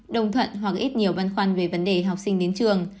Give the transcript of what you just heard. đồng thuận hoặc ít nhiều băn khoăn về vấn đề học sinh đến trường